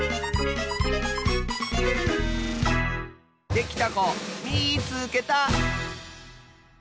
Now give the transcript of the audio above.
できたこみいつけた！